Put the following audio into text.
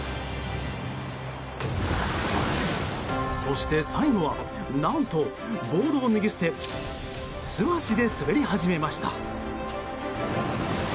そして最後は何とボードを脱ぎ捨て素足で滑り始めました。